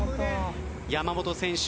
山本選手